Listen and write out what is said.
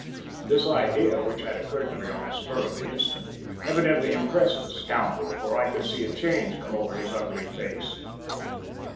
"This idea, which occurred to me on the spur of the instant, evidently impressed the scoundrel, for I could see a change come over his ugly face.